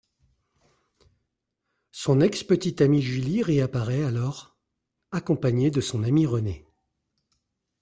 Son ex-petite amie Julie réapparaît alors, accompagnée de son amie Renee...